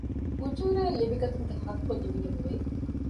އުޖޫރައެއް ލިބިގަތުމުގެ ޙައްޤު ލިބިގެން ވޭ